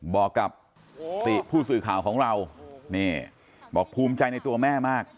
บอกกับติผู้สื่อข่าวของเรานี่บอกภูมิใจในตัวแม่มาก